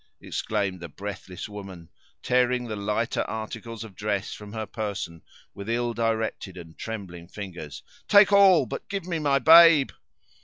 exclaimed the breathless woman, tearing the lighter articles of dress from her person with ill directed and trembling fingers; "take all, but give me my babe!"